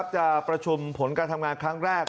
จะประชุมผลการทำงานครั้งแรก